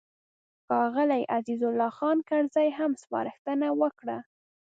ښاغلي عزیز الله خان کرزي هم سپارښتنه وکړه.